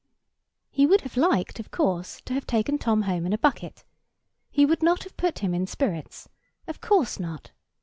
He would have liked, of course, to have taken Tom home in a bucket. He would not have put him in spirits. Of course not.